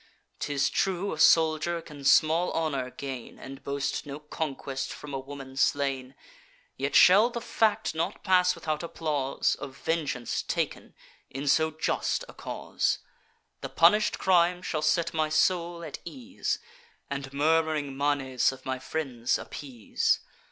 'Tis true, a soldier can small honour gain, And boast no conquest, from a woman slain: Yet shall the fact not pass without applause, Of vengeance taken in so just a cause; The punish'd crime shall set my soul at ease, And murm'ring manes of my friends appease.